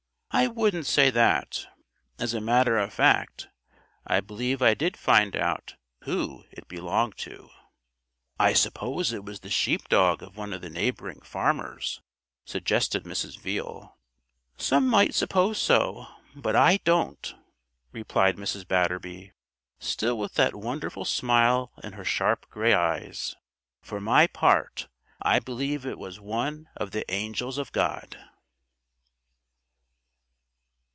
"I wouldn't say that. As a matter of fact, I believe I did find out Who it belonged to." "I suppose it was the sheep dog of one of the neighbouring farmers," suggested Mrs. Veale. "Some might suppose so; but I don't," replied Mrs. Batterby, still with that wonderful smile in her sharp grey eyes. "For my part, I believe it was one of the angels of God."